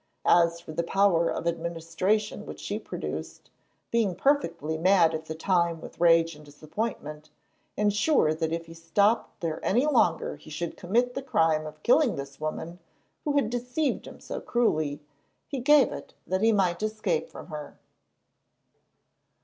As for the power of administration which she produced, being perfectly mad at the time with rage and disappointment, and sure that if he stopped there any longer he should commit the crime of killing this woman who had deceived him so cruelly, he gave it that he might escape from her.